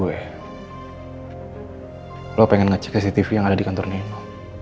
anda ingin mengecek cctv yang ada di kantor nino